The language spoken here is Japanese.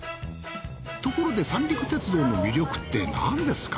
ところで三陸鉄道の魅力ってなんですか？